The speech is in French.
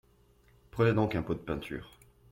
Prenez donc un pot de peinture